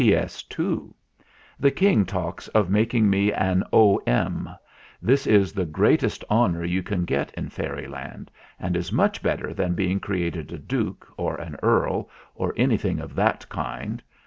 "P. S. (2). The King talks of making me an O.M. This is the greatest honour you can get in Fairyland, and is much better than being created a duke or an earl or anything of that kind.